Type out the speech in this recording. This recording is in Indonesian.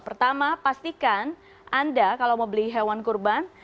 pertama pastikan anda kalau mau beli hewan kurban